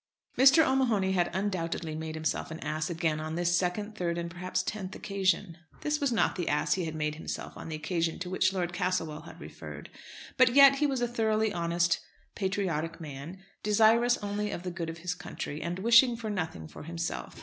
Mr. O'Mahony had undoubtedly made himself an ass again on this second, third, and perhaps tenth occasion. This was not the ass he had made himself on the occasion to which Lord Castlewell had referred. But yet he was a thoroughly honest, patriotic man, desirous only of the good of his country, and wishing for nothing for himself.